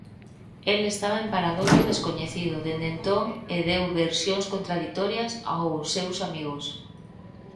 El estaba en paradoiro descoñecido dende entón e deu versións contraditorias aos seus amigos.